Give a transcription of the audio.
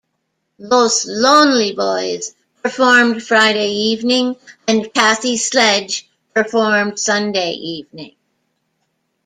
Los Lonely Boys performed Friday evening and Kathy Sledge performed Sunday evening.